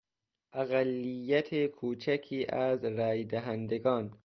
اقلیت کوچکی از رای دهندگان